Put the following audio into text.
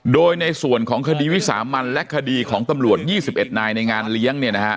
โดยในส่วนของคดีวิสามันและคดีของตำรวจ๒๑นายในงานเลี้ยง